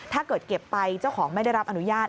ถ้าเกิดเก็บไปเจ้าของไม่ได้รับอนุญาต